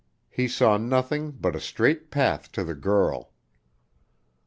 He saw nothing but a straight path to the girl.